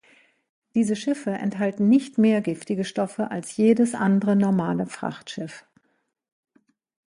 Diese Schiffe enthalten nicht mehr giftige Stoffe als jedes andere normale Frachtschiff.